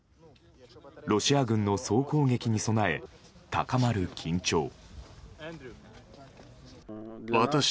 ロシア軍の総攻撃に備え高まる緊張。